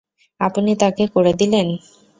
আপনি তাকে করে দিলেন?